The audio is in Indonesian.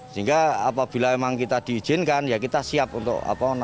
sehingga apabila memang kita diizinkan ya kita siap untuk apa namanya